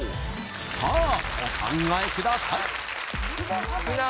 さあお考えください砂浜？